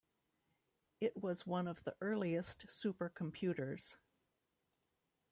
It was one of the earliest supercomputers.